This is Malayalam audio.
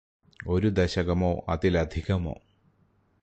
ഒരു ദശകമോ അതിലധികമോ